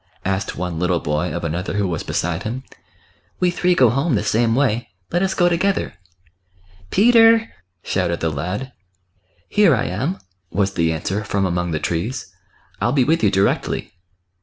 asked one little boy of another who was beside him. " We three go home the same way, let us go together." " Peter !" shouted the lad. " Here I am !" was the answer from among the trees ;" I'll be with you directly."